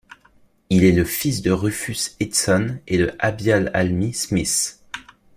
Il est le fils de Rufus Easton et de Abial Alby Smith.